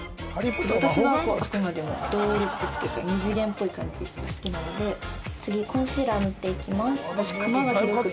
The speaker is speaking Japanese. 私はあくまでもドールっぽくというか二次元っぽい感じが好きなので次コンシーラー塗っていきます